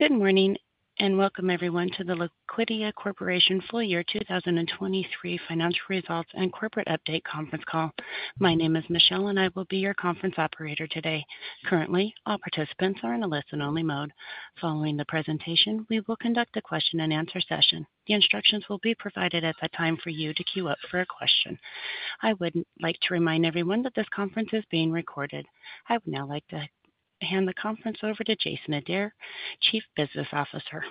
Good morning and welcome, everyone, to the Liquidia Corporation full year 2023 financial results and corporate update conference call. My name is Michelle, and I will be your conference operator today. Currently, all participants are in a listen-only mode. Following the presentation, we will conduct a question-and-answer session. The instructions will be provided at the time for you to queue up for a question. I would like to remind everyone that this conference is being recorded. I would now like to hand the conference over to Jason Adair, Chief Business Officer.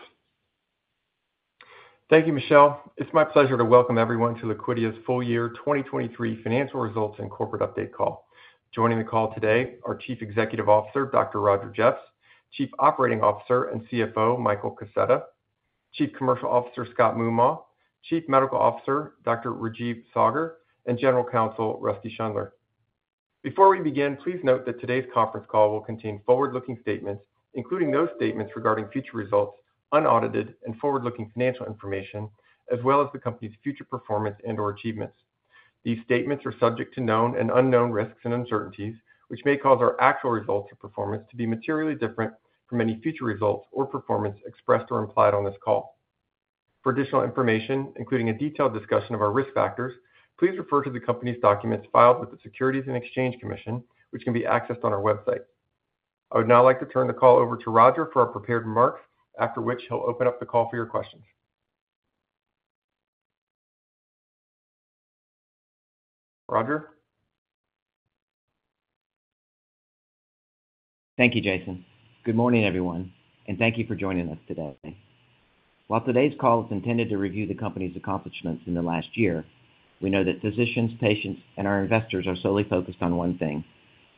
Thank you, Michelle. It's my pleasure to welcome everyone to Liquidia's full year 2023 financial results and corporate update call. Joining the call today are Chief Executive Officer Dr. Roger Jeffs, Chief Operating Officer and CFO Michael Kaseta, Chief Commercial Officer Scott Moomaw, Chief Medical Officer Dr. Rajeev Saggar, and General Counsel Rusty Schundler. Before we begin, please note that today's conference call will contain forward-looking statements, including those statements regarding future results, unaudited and forward-looking financial information, as well as the company's future performance and/or achievements. These statements are subject to known and unknown risks and uncertainties, which may cause our actual results or performance to be materially different from any future results or performance expressed or implied on this call. For additional information, including a detailed discussion of our risk factors, please refer to the company's documents filed with the Securities and Exchange Commission, which can be accessed on our website. I would now like to turn the call over to Roger for our prepared remarks, after which he'll open up the call for your questions. Roger? Thank you, Jason. Good morning, everyone, and thank you for joining us today. While today's call is intended to review the company's accomplishments in the last year, we know that physicians, patients, and our investors are solely focused on one thing: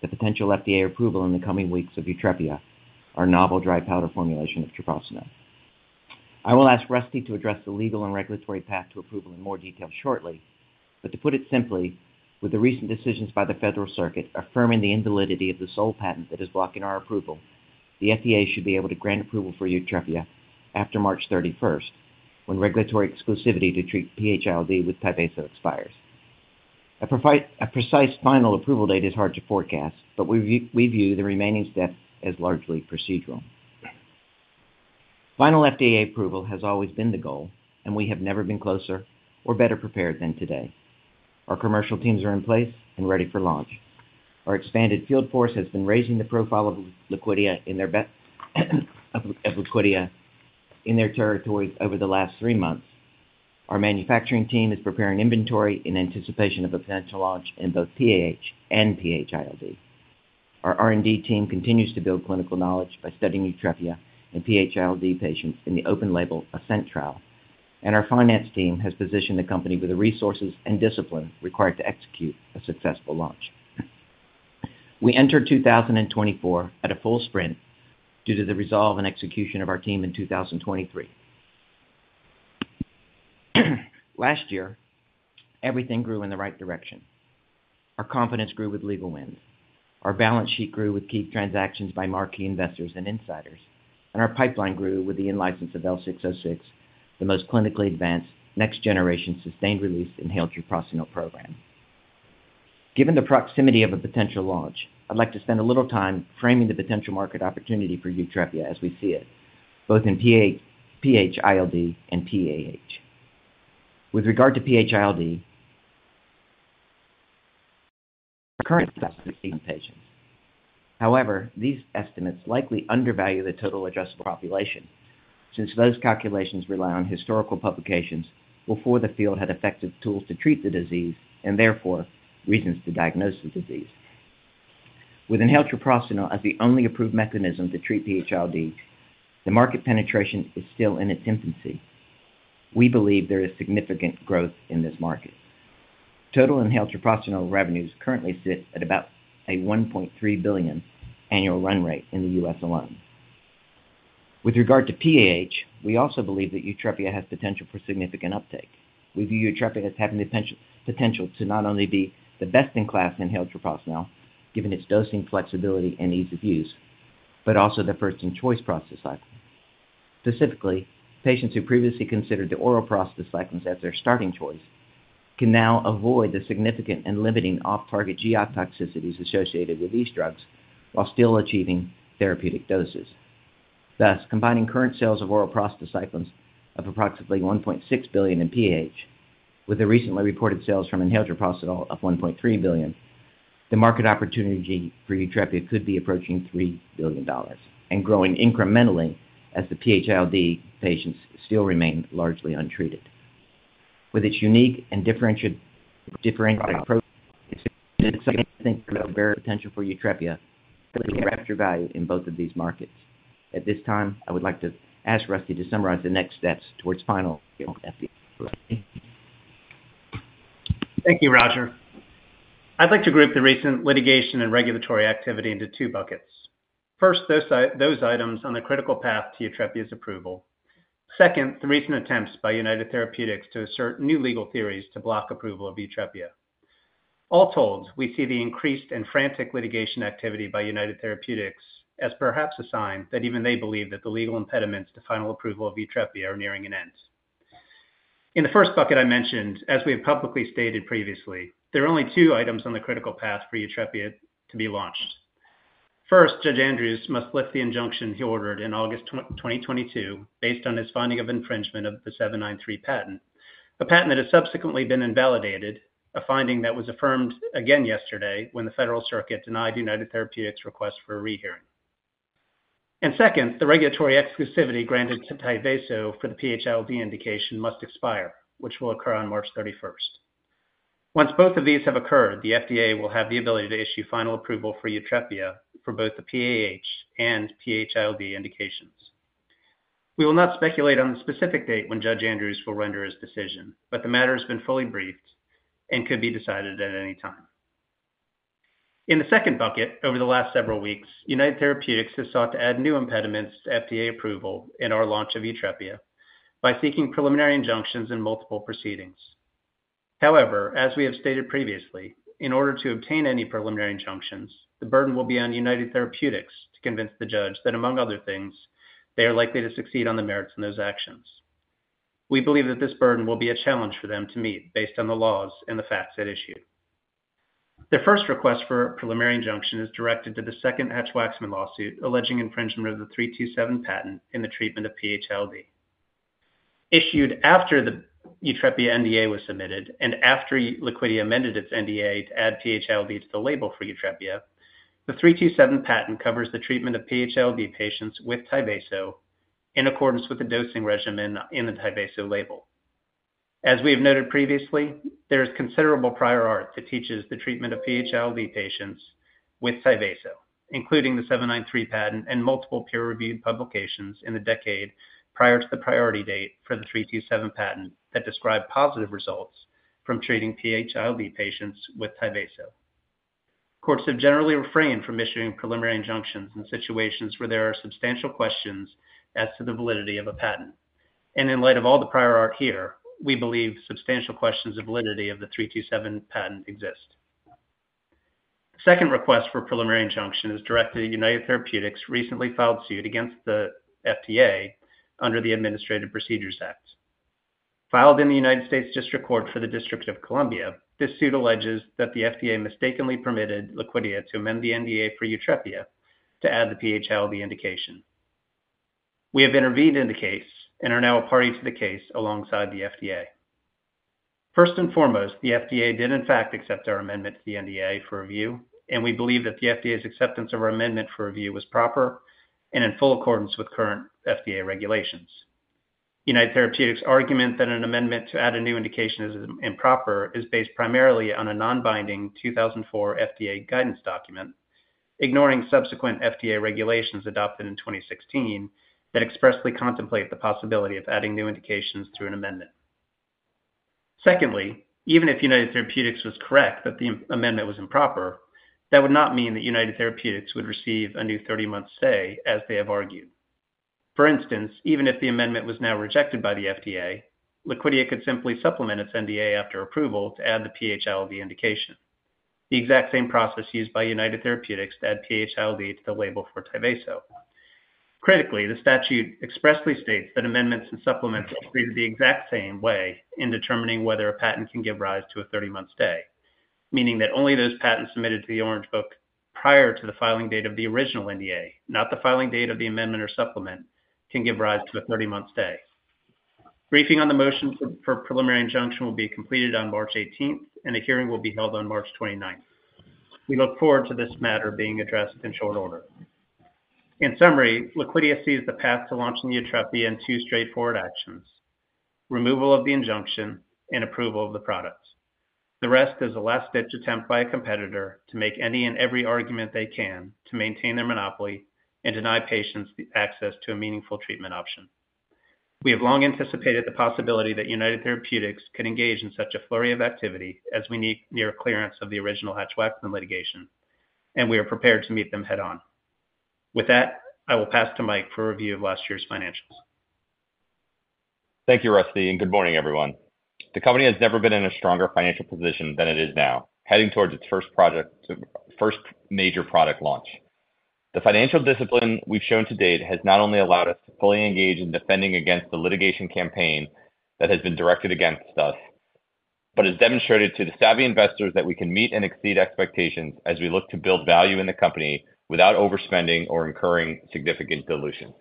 the potential FDA approval in the coming weeks of YUTREPIA, our novel dry powder formulation of Treprostinil. I will ask Rusty to address the legal and regulatory path to approval in more detail shortly, but to put it simply, with the recent decisions by the Federal Circuit affirming the invalidity of the sole patent that is blocking our approval, the FDA should be able to grant approval for YUTREPIA after March 31st, when regulatory exclusivity to treat PH-ILD with Tyvaso expires. A precise final approval date is hard to forecast, but we view the remaining steps as largely procedural. Final FDA approval has always been the goal, and we have never been closer or better prepared than today. Our commercial teams are in place and ready for launch. Our expanded field force has been raising the profile of Liquidia in their territories over the last three months. Our manufacturing team is preparing inventory in anticipation of a potential launch in both PAH and PH-ILD. Our R&D team continues to build clinical knowledge by studying YUTREPIA and PH-ILD patients in the open-label ASCENT trial, and our finance team has positioned the company with the resources and discipline required to execute a successful launch. We entered 2024 at a full sprint due to the resolve and execution of our team in 2023. Last year, everything grew in the right direction. Our confidence grew with legal winds. Our balance sheet grew with key transactions by marquee investors and insiders, and our pipeline grew with the in-license of L606, the most clinically advanced, next-generation sustained-release inhaled Treprostinil program. Given the proximity of a potential launch, I'd like to spend a little time framing the potential market opportunity for YUTREPIA as we see it, both in PH-ILD and PAH. With regard to PH-ILD, our current patients. However, these estimates likely undervalue the total addressable population, since those calculations rely on historical publications before the field had effective tools to treat the disease and, therefore, reasons to diagnose the disease. With inhaled Treprostinil as the only approved mechanism to treat PH-ILD, the market penetration is still in its infancy. We believe there is significant growth in this market. Total inhaled Treprostinil revenues currently sit at about a $1.3 billion annual run rate in the U.S. alone. With regard to PAH, we also believe that YUTREPIA has potential for significant uptake. We view YUTREPIA as having the potential to not only be the best-in-class inhaled treprostinil, given its dosing flexibility and ease of use, but also the first-in-choice prostacyclin. Specifically, patients who previously considered the oral prostacyclins as their starting choice can now avoid the significant and limiting off-target GI toxicities associated with these drugs while still achieving therapeutic doses. Thus, combining current sales of oral prostacyclins of approximately $1.6 billion in PAH with the recently reported sales from inhaled treprostinil of $1.3 billion, the market opportunity for YUTREPIA could be approaching $3 billion and growing incrementally as the PH-ILD patients still remain largely untreated. With its unique and differentiated approach, it's something that I think there's clear potential for YUTREPIA to capture value in both of these markets. At this time, I would like to ask Rusty to summarize the next steps towards final. Thank you, Roger. I'd like to group the recent litigation and regulatory activity into two buckets. First, those items on the critical path to YUTREPIA's approval. Second, the recent attempts by United Therapeutics to assert new legal theories to block approval of YUTREPIA. All told, we see the increased and frantic litigation activity by United Therapeutics as perhaps a sign that even they believe that the legal impediments to final approval of YUTREPIA are nearing an end. In the first bucket I mentioned, as we have publicly stated previously, there are only two items on the critical path for YUTREPIA to be launched. First, Judge Andrews must lift the injunction he ordered in August 2022 based on his finding of infringement of the 793 patent, a patent that has subsequently been invalidated, a finding that was affirmed again yesterday when the Federal Circuit denied United Therapeutics' request for a rehearing. And second, the regulatory exclusivity granted to Tyvaso for the PH-ILD indication must expire, which will occur on March 31st. Once both of these have occurred, the FDA will have the ability to issue final approval for YUTREPIA for both the PAH and PH-ILD indications. We will not speculate on the specific date when Judge Andrews will render his decision, but the matter has been fully briefed and could be decided at any time. In the second bucket, over the last several weeks, United Therapeutics has sought to add new impediments to FDA approval in our launch of YUTREPIA by seeking preliminary injunctions in multiple proceedings. However, as we have stated previously, in order to obtain any preliminary injunctions, the burden will be on United Therapeutics to convince the judge that, among other things, they are likely to succeed on the merits in those actions. We believe that this burden will be a challenge for them to meet based on the laws and the facts at issue. Their first request for preliminary injunction is directed to the second Hatch-Waxman lawsuit alleging infringement of the 327 patent in the treatment of PH-ILD. Issued after the YUTREPIA NDA was submitted and after Liquidia amended its NDA to add PH-ILD to the label for YUTREPIA, the 327 patent covers the treatment of PH-ILD patients with Tyvaso in accordance with the dosing regimen in the Tyvaso label. As we have noted previously, there is considerable prior art that teaches the treatment of PH-ILD patients with Tyvaso, including the 793 patent and multiple peer-reviewed publications in the decade prior to the priority date for the 327 patent that describe positive results from treating PH-ILD patients with Tyvaso. Courts have generally refrained from issuing preliminary injunctions in situations where there are substantial questions as to the validity of a patent. In light of all the prior art here, we believe substantial questions of validity of the 327 patent exist. The second request for preliminary injunction is directed to United Therapeutics' recently filed suit against the FDA under the Administrative Procedure Act. Filed in the United States District Court for the District of Columbia, this suit alleges that the FDA mistakenly permitted Liquidia to amend the NDA for YUTREPIA to add the PH-ILD indication. We have intervened in the case and are now a party to the case alongside the FDA. First and foremost, the FDA did, in fact, accept our amendment to the NDA for review, and we believe that the FDA's acceptance of our amendment for review was proper and in full accordance with current FDA regulations. United Therapeutics' argument that an amendment to add a new indication is improper is based primarily on a non-binding 2004 FDA guidance document, ignoring subsequent FDA regulations adopted in 2016 that expressly contemplate the possibility of adding new indications through an amendment. Secondly, even if United Therapeutics was correct that the amendment was improper, that would not mean that United Therapeutics would receive a new 30-month stay, as they have argued. For instance, even if the amendment was now rejected by the FDA, Liquidia could simply supplement its NDA after approval to add the PH-ILD indication, the exact same process used by United Therapeutics to add PH-ILD to the label for Tyvaso. Critically, the statute expressly states that amendments and supplements are treated the exact same way in determining whether a patent can give rise to a 30-month stay, meaning that only those patents submitted to the Orange Book prior to the filing date of the original NDA, not the filing date of the amendment or supplement, can give rise to a 30-month stay. Briefing on the motion for preliminary injunction will be completed on March 18th, and a hearing will be held on March 29th. We look forward to this matter being addressed in short order. In summary, Liquidia sees the path to launching YUTREPIA in two straightforward actions: removal of the injunction and approval of the product. The rest is a last-ditch attempt by a competitor to make any and every argument they can to maintain their monopoly and deny patients access to a meaningful treatment option. We have long anticipated the possibility that United Therapeutics could engage in such a flurry of activity as we need near clearance of the original Hatch-Waxman litigation, and we are prepared to meet them head-on. With that, I will pass to Mike for review of last year's financials. Thank you, Rusty, and good morning, everyone. The company has never been in a stronger financial position than it is now, heading towards its first major product launch. The financial discipline we've shown to date has not only allowed us to fully engage in defending against the litigation campaign that has been directed against us, but has demonstrated to the savvy investors that we can meet and exceed expectations as we look to build value in the company without overspending or incurring significant dilution.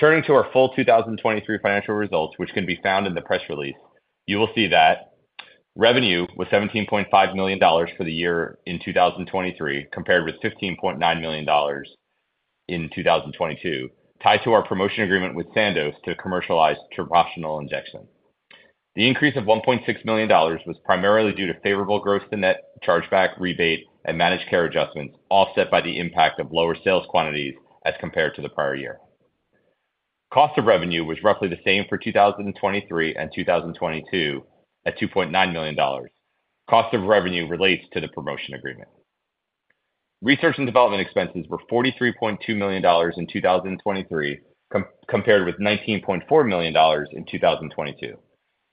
Turning to our full 2023 financial results, which can be found in the press release, you will see that revenue was $17.5 million for the year in 2023 compared with $15.9 million in 2022, tied to our promotion agreement with Sandoz to commercialize Treprostinil injections. The increase of $1.6 million was primarily due to favorable gross-to-net, chargeback, rebate, and managed care adjustments, offset by the impact of lower sales quantities as compared to the prior year. Cost of revenue was roughly the same for 2023 and 2022 at $2.9 million. Cost of revenue relates to the promotion agreement. Research and development expenses were $43.2 million in 2023 compared with $19.4 million in 2022.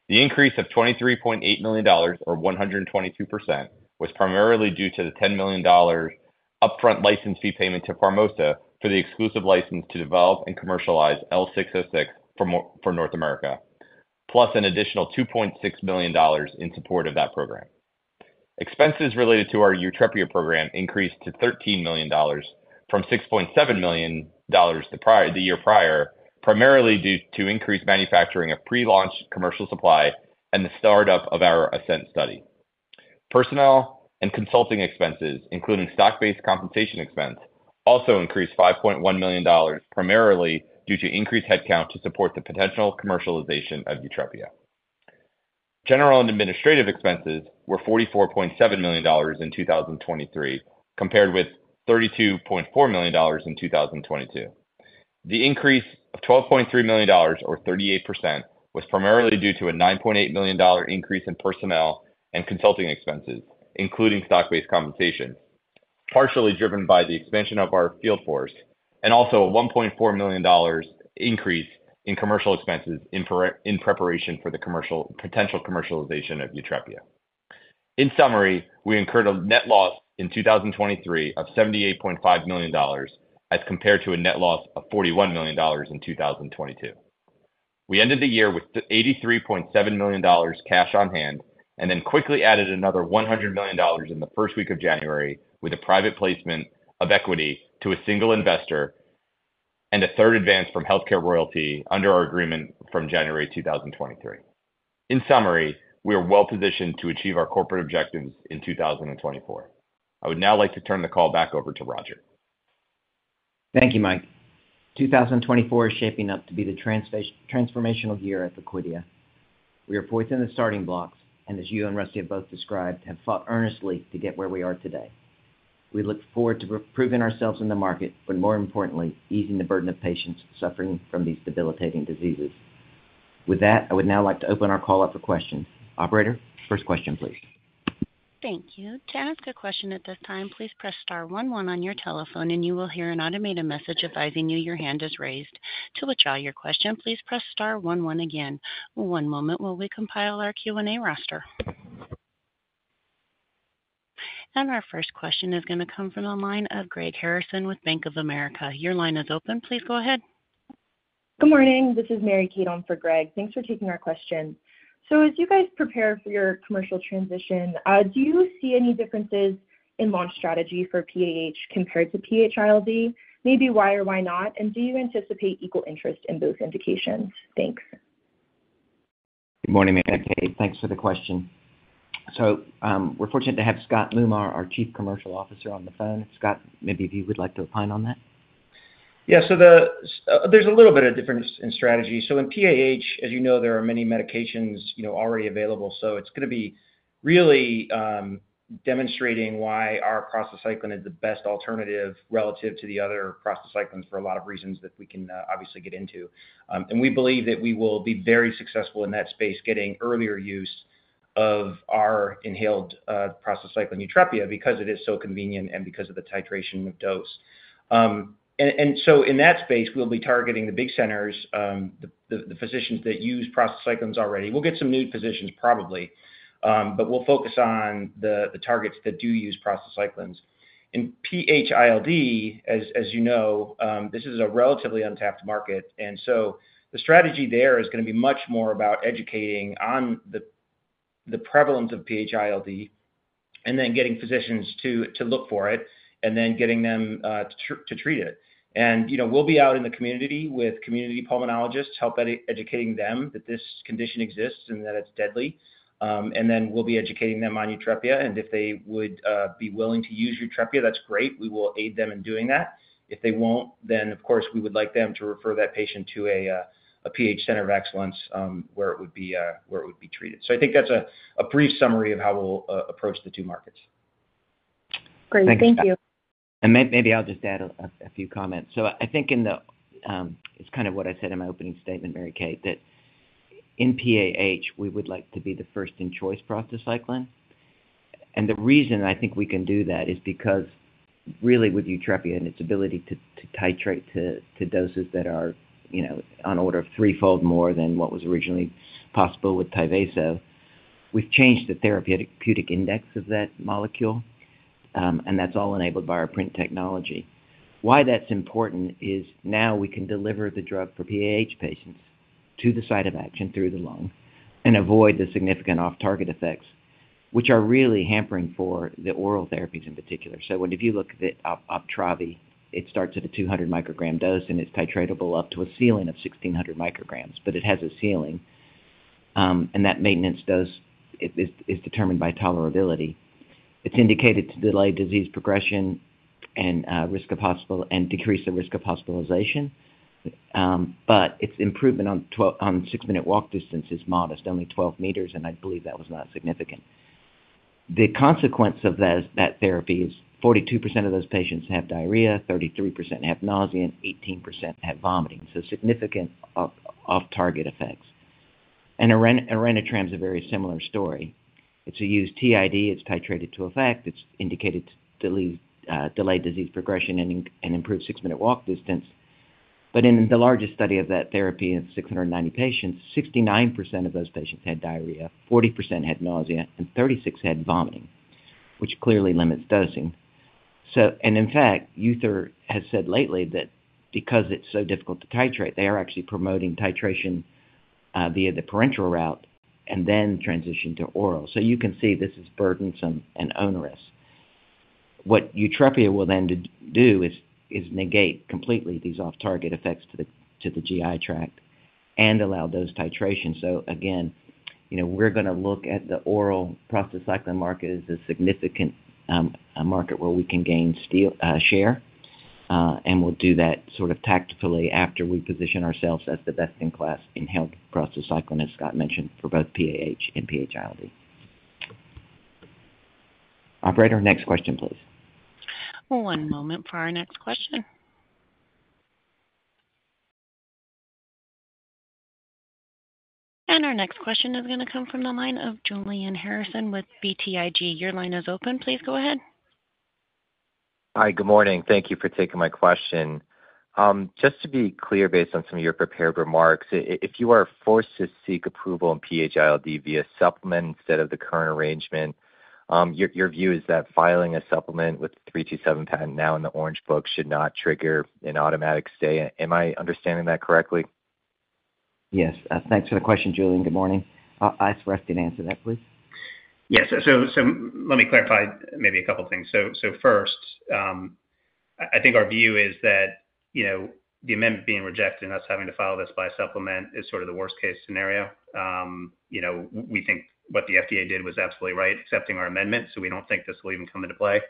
The increase of $23.8 million, or 122%, was primarily due to the $10 million upfront license fee payment to Pharmosa for the exclusive license to develop and commercialize L606 for North America, plus an additional $2.6 million in support of that program. Expenses related to our YUTREPIA program increased to $13 million from $6.7 million the year prior, primarily due to increased manufacturing of pre-launch commercial supply and the startup of our ASCENT study. Personnel and consulting expenses, including stock-based compensation expense, also increased $5.1 million, primarily due to increased headcount to support the potential commercialization of YUTREPIA. General and administrative expenses were $44.7 million in 2023 compared with $32.4 million in 2022. The increase of $12.3 million, or 38%, was primarily due to a $9.8 million increase in personnel and consulting expenses, including stock-based compensation, partially driven by the expansion of our field force and also a $1.4 million increase in commercial expenses in preparation for the potential commercialization of YUTREPIA. In summary, we incurred a net loss in 2023 of $78.5 million as compared to a net loss of $41 million in 2022. We ended the year with $83.7 million cash on hand and then quickly added another $100 million in the first week of January with a private placement of equity to a single investor and a third advance from Healthcare Royalty under our agreement from January 2023. In summary, we are well-positioned to achieve our corporate objectives in 2024. I would now like to turn the call back over to Roger. Thank you, Mike. 2024 is shaping up to be the transformational year at Liquidia. We are fourth in the starting blocks, and as you and Rusty have both described, have fought earnestly to get where we are today. We look forward to proving ourselves in the market but, more importantly, easing the burden of patients suffering from these debilitating diseases. With that, I would now like to open our call up for questions. Operator, first question, please. Thank you. To ask a question at this time, please press star 11 on your telephone, and you will hear an automated message advising you your hand is raised. To withdraw your question, please press star 11 again. One moment while we compile our Q&A roster. And our first question is going to come from a line of Greg Harrison with Bank of America. Your line is open. Please go ahead. Good morning. This is Mary Kate for Greg. Thanks for taking our question. As you guys prepare for your commercial transition, do you see any differences in launch strategy for PAH compared to PH-ILD? Maybe why or why not? And do you anticipate equal interest in both indications? Thanks. Good morning, Mary Kate. Thanks for the question. We're fortunate to have Scott Moomaw, our Chief Commercial Officer, on the phone. Scott, maybe if you would like to opine on that. Yeah. So there's a little bit of difference in strategy. So in PAH, as you know, there are many medications already available, so it's going to be really demonstrating why our prostacyclin is the best alternative relative to the other prostacyclin for a lot of reasons that we can obviously get into. And we believe that we will be very successful in that space getting earlier use of our inhaled prostacyclin YUTREPIA because it is so convenient and because of the titration of dose. And so in that space, we'll be targeting the big centers, the physicians that use prostacyclin already. We'll get some new physicians, probably, but we'll focus on the targets that do use prostacyclin. In PH-ILD, as you know, this is a relatively untapped market, and so the strategy there is going to be much more about educating on the prevalence of PH-ILD and then getting physicians to look for it and then getting them to treat it. We'll be out in the community with community pulmonologists help educating them that this condition exists and that it's deadly. Then we'll be educating them on YUTREPIA. If they would be willing to use YUTREPIA, that's great. We will aid them in doing that. If they won't, then, of course, we would like them to refer that patient to a PH Center of Excellence where it would be treated. So I think that's a brief summary of how we'll approach the two markets. Great. Thank you. Maybe I'll just add a few comments. I think in, it's kind of what I said in my opening statement, Mary Kate, that in PAH, we would like to be the first-in-choice prostacyclin. And the reason I think we can do that is because, really, with YUTREPIA and its ability to titrate to doses that are on order of threefold more than what was originally possible with Tyvaso, we've changed the therapeutic index of that molecule, and that's all enabled by our PRINT technology. Why that's important is now we can deliver the drug for PAH patients to the site of action through the lung and avoid the significant off-target effects, which are really hampering for the oral therapies in particular. So if you look at Uptravi, it starts at a 200-microgram dose, and it's titratable up to a ceiling of 1,600 micrograms, but it has a ceiling, and that maintenance dose is determined by tolerability. It's indicated to delay disease progression and decrease the risk of hospitalization, but its improvement on six-minute walk distance is modest, only 12 meters, and I believe that was not significant. The consequence of that therapy is 42% of those patients have diarrhea, 33% have nausea, and 18% have vomiting, so significant off-target effects. And Orenitram is a very similar story. It's used t.i.d. It's titrated to effect. It's indicated to delay disease progression and improve six-minute walk distance. But in the largest study of that therapy of 690 patients, 69% of those patients had diarrhea, 40% had nausea, and 36% had vomiting, which clearly limits dosing. In fact, UTHR has said lately that because it's so difficult to titrate, they are actually promoting titration via the parenteral route and then transition to oral. So you can see this is burdensome and onerous. What YUTREPIA will then do is negate completely these off-target effects to the GI tract and allow dose titration. So again, we're going to look at the oral prostacyclin market as a significant market where we can gain share, and we'll do that sort of tactfully after we position ourselves as the best-in-class inhaled prostacyclin, as Scott mentioned, for both PAH and PH-ILD. Operator, next question, please. One moment for our next question. Our next question is going to come from the line of Julian Harrison with BTIG. Your line is open. Please go ahead. Hi. Good morning. Thank you for taking my question. Just to be clear based on some of your prepared remarks, if you are forced to seek approval in PH-ILD via supplement instead of the current arrangement, your view is that filing a supplement with the 327 patent now in the Orange Book should not trigger an automatic stay. Am I understanding that correctly? Yes. Thanks for the question, Julian. Good morning. I asked Rusty to answer that, please. Yes. So let me clarify maybe a couple of things. So first, I think our view is that the amendment being rejected and us having to file this by supplement is sort of the worst-case scenario. We think what the FDA did was absolutely right, accepting our amendment, so we don't think this will even come into play.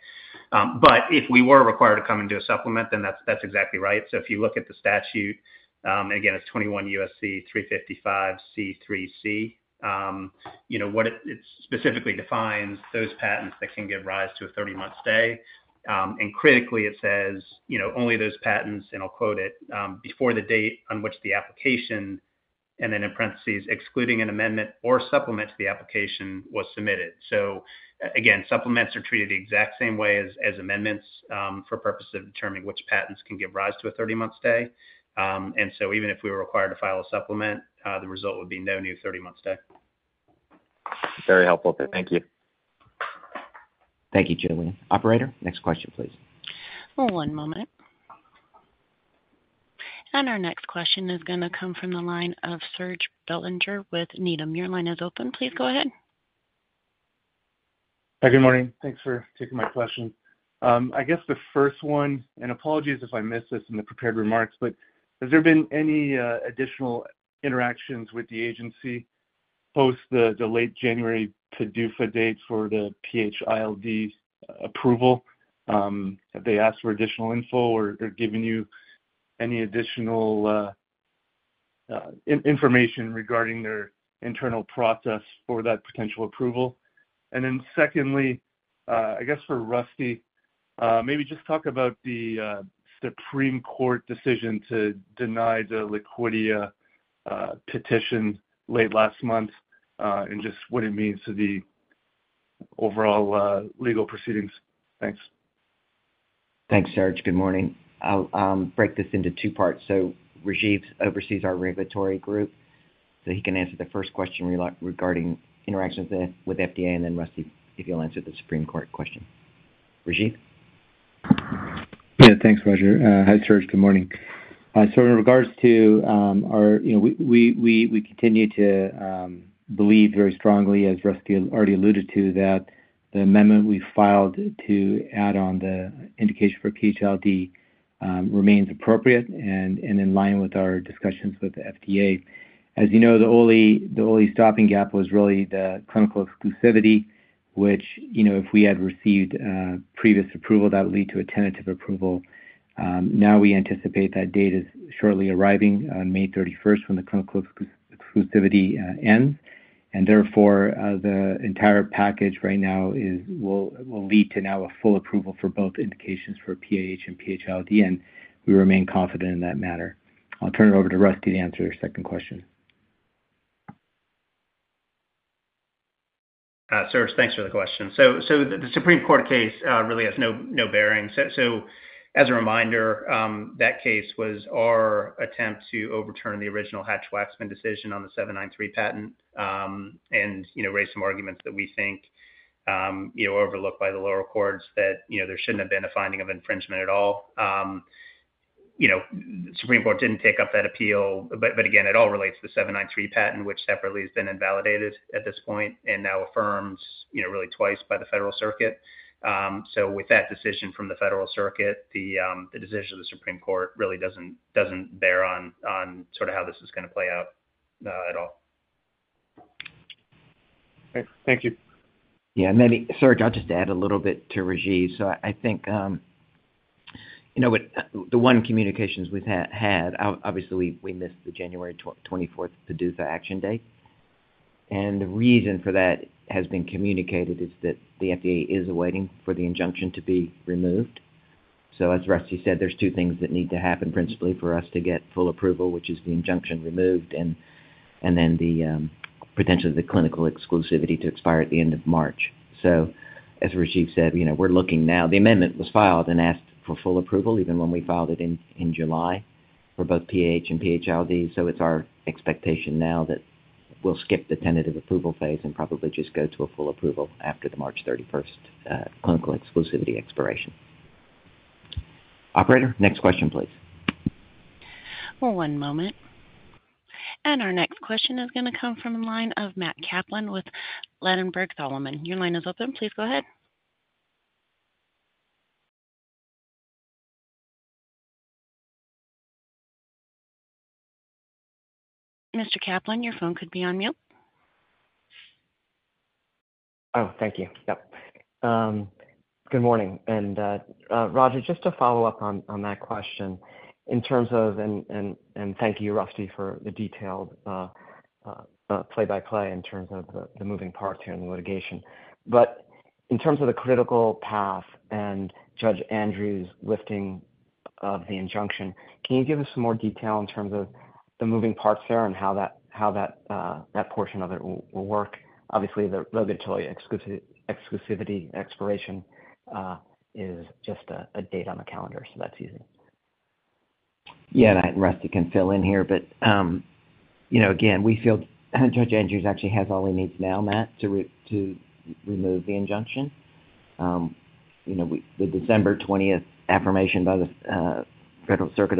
But if we were required to come into a supplement, then that's exactly right. So if you look at the statute and again, it's 21 USC 355(c)(3)(C), it specifically defines those patents that can give rise to a 30-month stay. Critically, it says only those patents - and I'll quote it - "before the date on which the application" and then (in parentheses), "excluding an amendment or supplement to the application was submitted." So again, supplements are treated the exact same way as amendments for purposes of determining which patents can give rise to a 30-month stay. So even if we were required to file a supplement, the result would be no new 30-month stay. Very helpful. Thank you. Thank you, Julian. Operator, next question, please. One moment. Our next question is going to come from the line of Serge Belanger with Needham & Company. Your line is open. Please go ahead. Hi. Good morning. Thanks for taking my question. I guess the first one and apologies if I missed this in the prepared remarks, but has there been any additional interactions with the agency post the late January PDUFA date for the PH-ILD approval? Have they asked for additional info or given you any additional information regarding their internal process for that potential approval? And then secondly, I guess for Rusty, maybe just talk about the Supreme Court decision to deny the Liquidia petition late last month and just what it means to the overall legal proceedings. Thanks. Thanks, Serge. Good morning. I'll break this into two parts. So Rajeev oversees our regulatory group, so he can answer the first question regarding interactions with the FDA, and then Rusty, if you'll answer the Supreme Court question. Rajeev? Yeah. Thanks, Roger. Hi, Serge. Good morning. So in regards to how we continue to believe very strongly, as Rusty already alluded to, that the amendment we filed to add on the indication for PH-ILD remains appropriate and in line with our discussions with the FDA. As you know, the only stopgap was really the clinical exclusivity, which if we had received previous approval, that would lead to a tentative approval. Now we anticipate that date is shortly arriving, May 31st, when the clinical exclusivity ends. And therefore, the entire package right now will lead to now a full approval for both indications for PAH and PH-ILD, and we remain confident in that matter. I'll turn it over to Rusty to answer your second question. Serge, thanks for the question. So the Supreme Court case really has no bearing. So as a reminder, that case was our attempt to overturn the original Hatch-Waxman decision on the 793 patent and raise some arguments that we think were overlooked by the lower courts, that there shouldn't have been a finding of infringement at all. The Supreme Court didn't take up that appeal. But again, it all relates to the 793 patent, which separately has been invalidated at this point and now affirmed really twice by the Federal Circuit. So with that decision from the Federal Circuit, the decision of the Supreme Court really doesn't bear on sort of how this is going to play out at all. Thank you. Yeah. And maybe, Serge, I'll just add a little bit to Rajeev. So I think the one communications we've had obviously, we missed the January 24th PDUFA action date. And the reason for that has been communicated is that the FDA is awaiting for the injunction to be removed. So as Rusty said, there's two things that need to happen principally for us to get full approval, which is the injunction removed and then potentially the clinical exclusivity to expire at the end of March. So as Rajeev said, we're looking now. The amendment was filed and asked for full approval even when we filed it in July for both PAH and PH-ILD. So it's our expectation now that we'll skip the tentative approval phase and probably just go to a full approval after the March 31st clinical exclusivity expiration. Operator, next question, please. One moment. And our next question is going to come from the line of Matt Kaplan with Ladenburg Thalmann. Your line is open. Please go ahead. Mr. Kaplan, your phone could be on mute. Oh, thank you. Yep. Good morning. And Roger, just to follow up on that question in terms of and thank you, Rusty, for the detailed play-by-play in terms of the moving parts here in the litigation. But in terms of the critical path and Judge Andrews lifting of the injunction, can you give us some more detail in terms of the moving parts there and how that portion of it will work? Obviously, the regulatory exclusivity expiration is just a date on the calendar, so that's easy. Yeah. And Rusty can fill in here. But again, we feel Judge Andrews actually has all he needs now, Matt, to remove the injunction. The December 20th affirmation by the Federal Circuit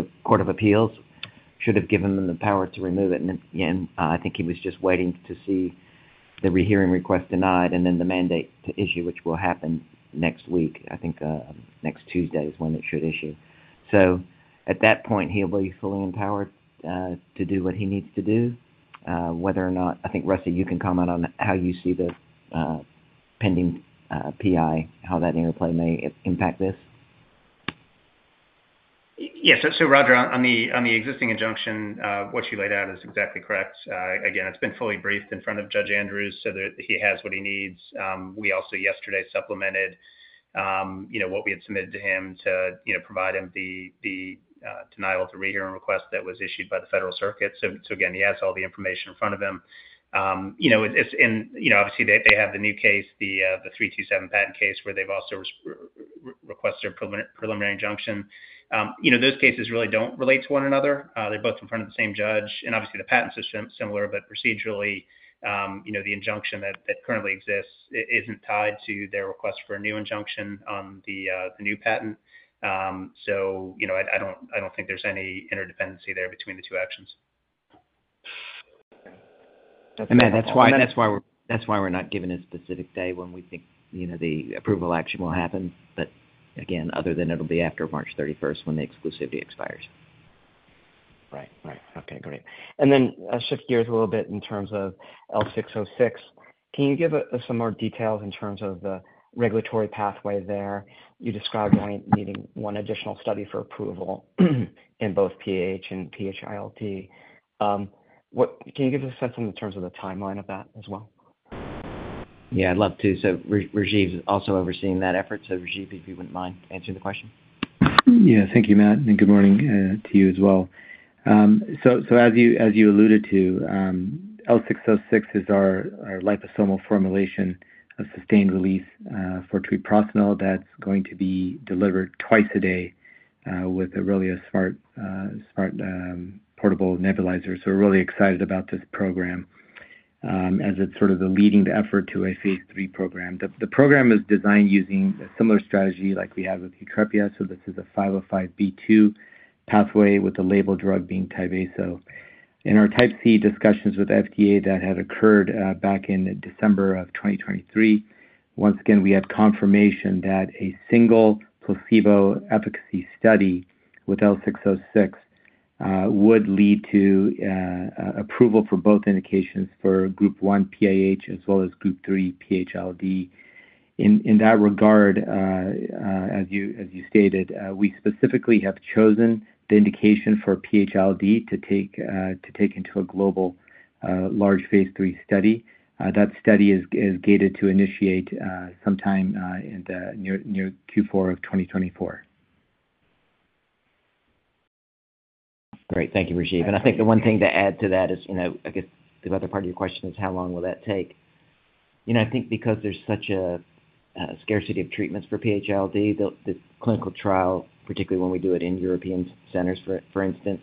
should have given them the power to remove it. And again, I think he was just waiting to see the rehearing request denied and then the mandate to issue, which will happen next week. I think next Tuesday is when it should issue. So at that point, he'll be fully empowered to do what he needs to do, whether or not I think, Rusty, you can comment on how you see the pending PI, how that interplay may impact this. Yes. So Roger, on the existing injunction, what you laid out is exactly correct. Again, it's been fully briefed in front of Judge Andrews, so he has what he needs. We also, yesterday, supplemented what we had submitted to him to provide him the denial of the rehearing request that was issued by the Federal Circuit. So again, he has all the information in front of him. And obviously, they have the new case, the 327 patent case, where they've also requested a preliminary injunction. Those cases really don't relate to one another. They're both in front of the same judge. And obviously, the patents are similar, but procedurally, the injunction that currently exists isn't tied to their request for a new injunction on the new patent. So I don't think there's any interdependency there between the two actions. That's why we're not given a specific day when we think the approval action will happen. But again, other than it'll be after March 31st when the exclusivity expires. Right. Right. Okay. Great. And then shift gears a little bit in terms of L606. Can you give some more details in terms of the regulatory pathway there? You described only needing one additional study for approval in both PAH and PHILD. Can you give us a sense in terms of the timeline of that as well? Yeah. I'd love to. So Rajeev is also overseeing that effort. So Rajeev, if you wouldn't mind answering the question. Yeah. Thank you, Matt. And good morning to you as well. So as you alluded to, L606 is our liposomal formulation of sustained release for treprostinil. That's going to be delivered twice a day with a really smart portable nebulizer. So we're really excited about this program as it's sort of the leading effort to a phase III program. The program is designed using a similar strategy like we have with YUTREPIA. So this is a 505(b)(2) pathway with the label drug being Tyvaso. In our Type C discussions with the FDA that had occurred back in December of 2023, once again, we had confirmation that a single placebo efficacy study with L606 would lead to approval for both indications for group 1 PAH as well as group 3 PH-ILD. In that regard, as you stated, we specifically have chosen the indication for PH-ILD to take into a global large phase III study. That study is gated to initiate sometime near Q4 of 2024. Great. Thank you, Rajeev. And I think the one thing to add to that is, I guess, the other part of your question is how long will that take. I think because there's such a scarcity of treatments for PHILD, the clinical trial, particularly when we do it in European centers, for instance,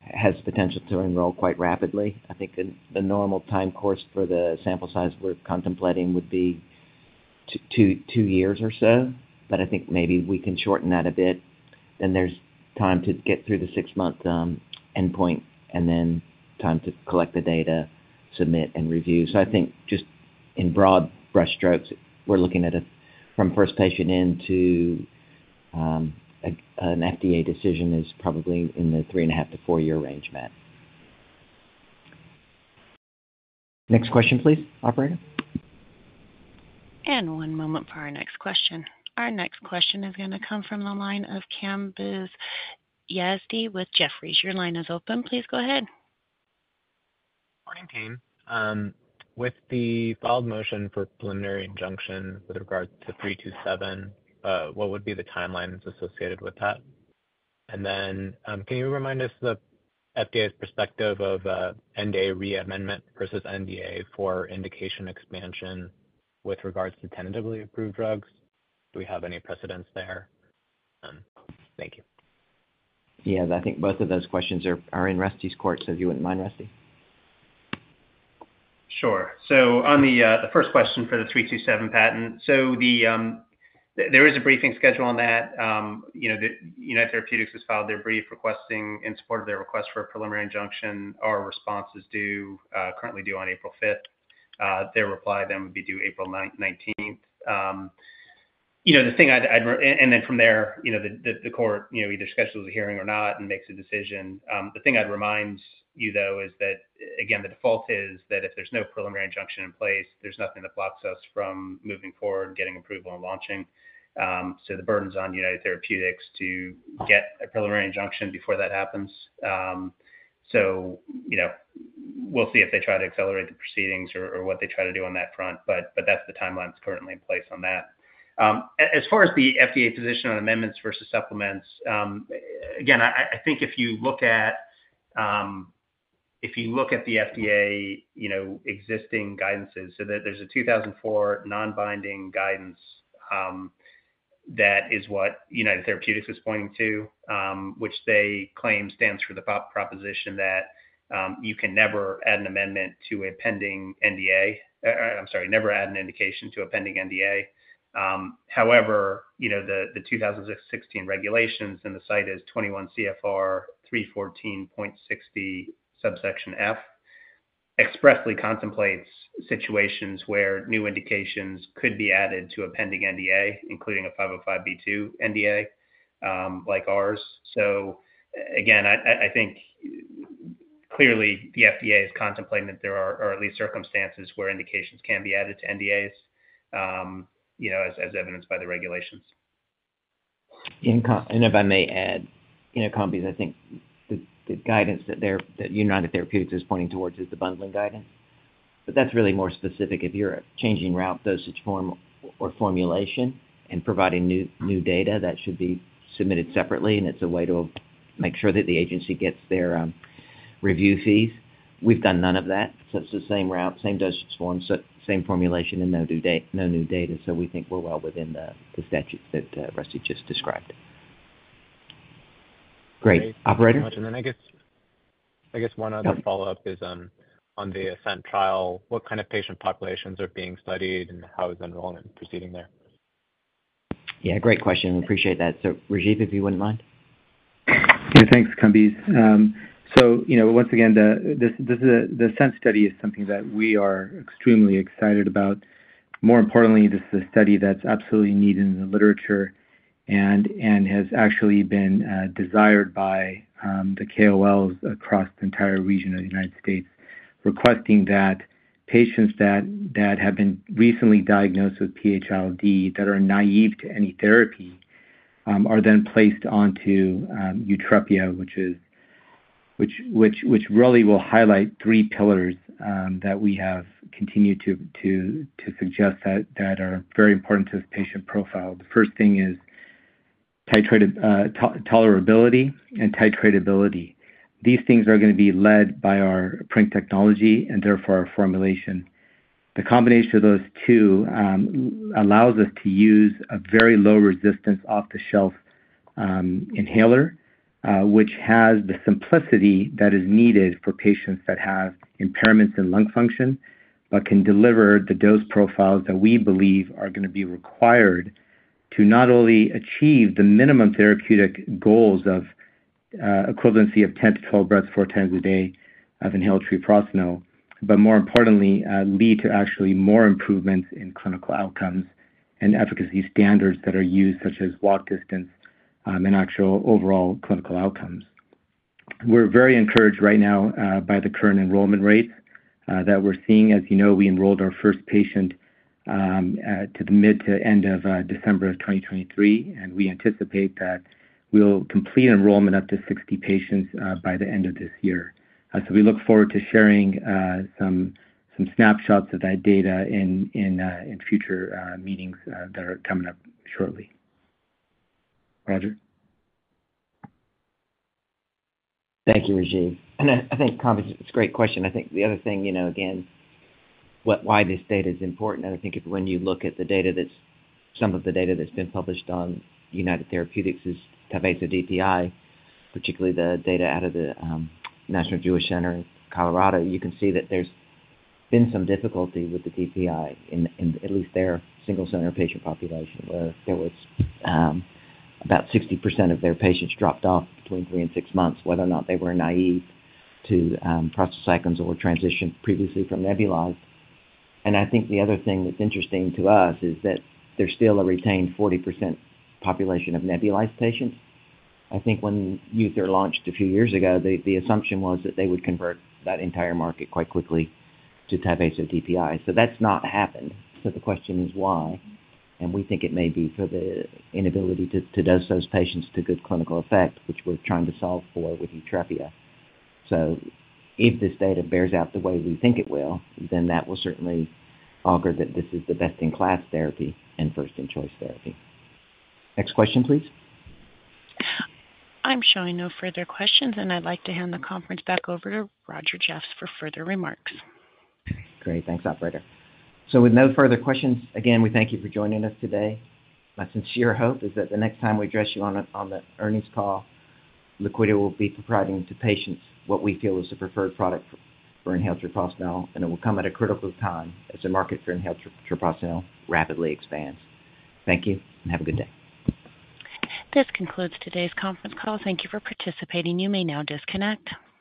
has the potential to enroll quite rapidly. I think the normal time course for the sample size we're contemplating would be 2 years or so. But I think maybe we can shorten that a bit. Then there's time to get through the 6-month endpoint and then time to collect the data, submit, and review. So I think just in broad brushstrokes, we're looking at a from first patient into an FDA decision is probably in the 3.5-4-year range, Matt. Next question, please, Operator. One moment for our next question. Our next question is going to come from the line of Kambiz Yazdi with Jefferies. Your line is open. Please go ahead. Morning, Kambiz. With the filed motion for preliminary injunction with regards to 327, what would be the timelines associated with that? And then can you remind us the FDA's perspective of NDA reamendment versus NDA for indication expansion with regards to tentatively approved drugs? Do we have any precedents there? Thank you. Yeah. I think both of those questions are in Rusty's court, so if you wouldn't mind, Rusty. Sure. So on the first question for the 327 patent, so there is a briefing schedule on that. The United Therapeutics has filed their brief requesting in support of their request for a preliminary injunction. Our response is currently due on April 5th. Their reply, then, would be due April 19th. The court either schedules a hearing or not and makes a decision. The thing I'd remind you, though, is that, again, the default is that if there's no preliminary injunction in place, there's nothing that blocks us from moving forward, getting approval, and launching. So the burden's on United Therapeutics to get a preliminary injunction before that happens. So we'll see if they try to accelerate the proceedings or what they try to do on that front. But that's the timeline that's currently in place on that. As far as the FDA position on amendments versus supplements, again, I think if you look at the FDA existing guidances, so there's a 2004 non-binding guidance that is what United Therapeutics is pointing to, which they claim stands for the proposition that you can never add an amendment to a pending NDA. I'm sorry, never add an indication to a pending NDA. However, the 2016 regulations, and it cites 21 CFR 314.60 subsection F, expressly contemplates situations where new indications could be added to a pending NDA, including a 505(b)(2) NDA like ours. So again, I think clearly, the FDA is contemplating that there are at least circumstances where indications can be added to NDAs as evidenced by the regulations. And if I may add, in a copy of, I think, the guidance that United Therapeutics is pointing towards is the bundling guidance. But that's really more specific. If you're changing route, dosage, form, or formulation, and providing new data, that should be submitted separately, and it's a way to make sure that the agency gets their review fees. We've done none of that. So it's the same route, same dosage, form, same formulation, and no new data. So we think we're well within the statute that Rusty just described. Great. Operator? Thank you so much. And then I guess one other follow-up is on the ASCENT trial. What kind of patient populations are being studied, and how is enrollment proceeding there? Yeah. Great question. We appreciate that. So Rajeev, if you wouldn't mind. Yeah. Thanks, Kambiz. So once again, the ASCENT study is something that we are extremely excited about. More importantly, this is a study that's absolutely needed in the literature and has actually been desired by the KOLs across the entire region of the United States, requesting that patients that have been recently diagnosed with PH-ILD that are naive to any therapy are then placed onto YUTREPIA, which really will highlight three pillars that we have continued to suggest that are very important to this patient profile. The first thing is tolerability and titratability. These things are going to be led by our PRINT technology and therefore our formulation. The combination of those two allows us to use a very low-resistance off-the-shelf inhaler, which has the simplicity that is needed for patients that have impairments in lung function but can deliver the dose profiles that we believe are going to be required to not only achieve the minimum therapeutic goals of equivalency of 10-12 breaths four times a day of inhaled Treprostinil but, more importantly, lead to actually more improvements in clinical outcomes and efficacy standards that are used, such as walk distance and actual overall clinical outcomes. We're very encouraged right now by the current enrollment rates that we're seeing. As you know, we enrolled our first patient to the mid to end of December of 2023, and we anticipate that we'll complete enrollment up to 60 patients by the end of this year. So we look forward to sharing some snapshots of that data in future meetings that are coming up shortly. Roger? Thank you, Rajeev. I think, Cumbees, it's a great question. I think the other thing, again, why this data is important. I think when you look at the data that's some of the data that's been published on United Therapeutics' Tyvaso DPI, particularly the data out of the National Jewish Health in Colorado, you can see that there's been some difficulty with the DPI, at least their single-center patient population, where about 60% of their patients dropped off between 3 and 6 months, whether or not they were naive to prostacyclins or were transitioned previously from nebulized. I think the other thing that's interesting to us is that there's still a retained 40% population of nebulized patients. I think when United Therapeutics launched a few years ago, the assumption was that they would convert that entire market quite quickly to Tyvaso DPI. So that's not happened. So the question is why. And we think it may be for the inability to dose those patients to good clinical effect, which we're trying to solve for with YUTREPIA. So if this data bears out the way we think it will, then that will certainly augur that this is the best-in-class therapy and first-in-choice therapy. Next question, please. I'm showing no further questions, and I'd like to hand the conference back over to Roger Jeffs for further remarks. Great. Thanks, Operator. So with no further questions, again, we thank you for joining us today. My sincere hope is that the next time we address you on the earnings call, Liquidia will be providing to patients what we feel is the preferred product for inhaled treprostinil, and it will come at a critical time as the market for inhaled treprostinil rapidly expands. Thank you, and have a good day. This concludes today's conference call. Thank you for participating. You may now disconnect.